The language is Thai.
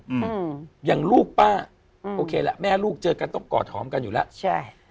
อืมอย่างลูกป้าอืมโอเคละแม่ลูกเจอกันต้องกอดหอมกันอยู่แล้วใช่